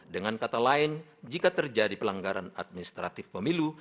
dengan kata lain jika terjadi pelanggaran administratif pemilu